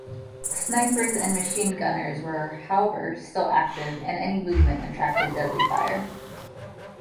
Snipers and machine gunners were, however, still active and any movement attracted deadly fire.